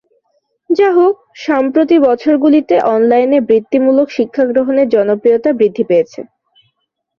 যাহোক, সাম্প্রতিক বছরগুলিতে অনলাইনে বৃত্তিমূলক শিক্ষা গ্রহণের জনপ্রিয়তা বৃদ্ধি পেয়েছে।